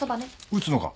打つのか？